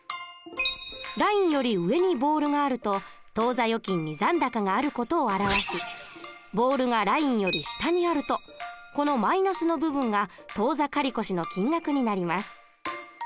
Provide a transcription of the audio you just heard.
ラインより上にボールがあると当座預金に残高がある事を表しボールがラインより下にあるとこのマイナスの部分が当座借越の金額になります。